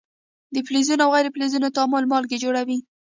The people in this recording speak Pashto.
د فلزونو او غیر فلزونو تعامل مالګې جوړوي.